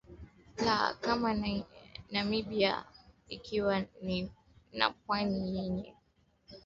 la kama Namibia ikiwa na pwani yenye